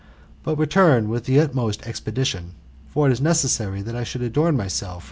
But return with the utmost expeditiofi ; for it is necessary that I should adorn my self .